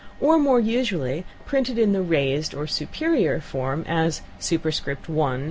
or, more usually, printed in the raised or "superior" form, as ¹²³, &c.